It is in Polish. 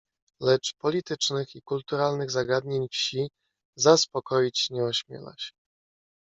"Lecz politycznych i kulturalnych zagadnień wsi zaspokoić nie ośmiela się."